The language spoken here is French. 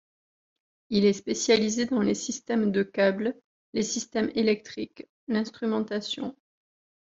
Il est spécialisé dans les systèmes de câbles, les systèmes électriques, l'instrumentation.